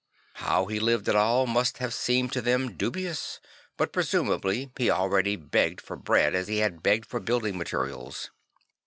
How he lived at all must have seemed to them dubious; but presumably he already begged for bread as he had begged for building materials.